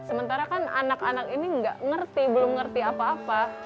sementara kan anak anak ini nggak ngerti belum ngerti apa apa